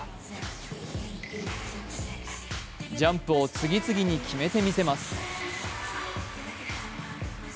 ジャンプを次々に決決めてみせます。